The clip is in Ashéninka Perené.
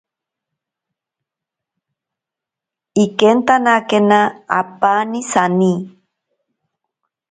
Ikentanakena apaani sani.